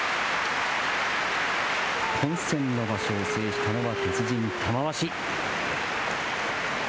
本戦の場所を制したのは鉄人・玉鷲。